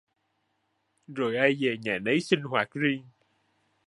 Rồi ai về nhà nấy sinh hoạt riêng